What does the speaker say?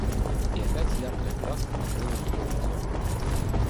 И опять яркая краска покрыла ее лицо.